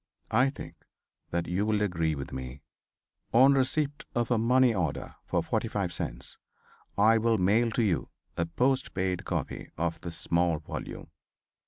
I think that you will || agree with me. On receipt of a money order for 45 cents I will || mail to you a post paid copy of this small volume.